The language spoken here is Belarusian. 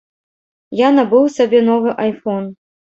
Я набыў сабе новы айфон.